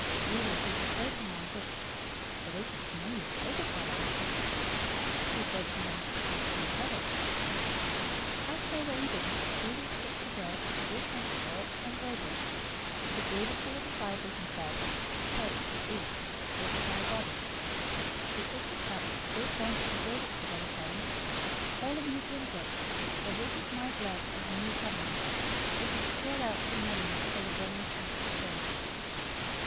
026:025 Judas, who betrayed him, answered, "It isn't me, is it, Rabbi?" He said to him, "You said it." 026:026 As they were eating, Jesus took bread, gave thanks for{TR reads "blessed" instead of "gave thanks for"} it, and broke it. He gave to the disciples, and said, "Take, eat; this is my body." 026:027 He took the cup, gave thanks, and gave to them, saying, "All of you drink it, 026:028 for this is my blood of the new covenant, which is poured out for many for the remission of sins.